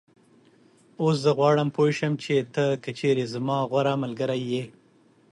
اوس زه غواړم پوی شم چې ته که چېرې زما غوره ملګری یې